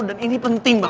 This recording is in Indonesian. dan ini penting banget